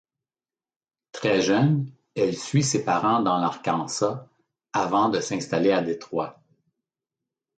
Très jeune, elle suit ses parents dans l'Arkansas, avant de s'installer à Détroit.